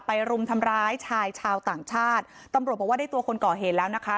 รุมทำร้ายชายชาวต่างชาติตำรวจบอกว่าได้ตัวคนก่อเหตุแล้วนะคะ